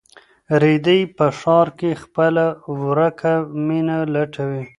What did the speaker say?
رېدی په ښار کې خپله ورکه مینه لټوي.